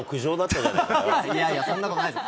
いやいや、そんなことないです。